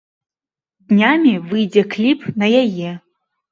Днямі выйдзе кліп на яе.